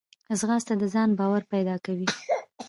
ځغاسته د ځان باور پیدا کوي